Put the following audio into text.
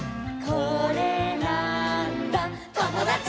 「これなーんだ『ともだち！』」